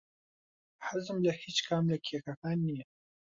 حەزم لە هیچ کام لە کێکەکان نییە.